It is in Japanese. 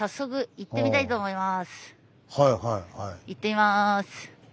行ってみます。